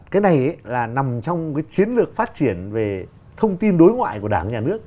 cái này là nằm trong cái chiến lược phát triển về thông tin đối ngoại của đảng nhà nước